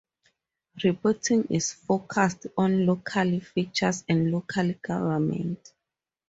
Reporting is focused on local features and local government.